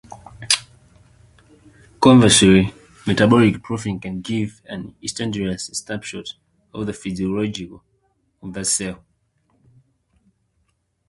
Conversely, metabolic profiling can give an instantaneous snapshot of the physiology of that cell.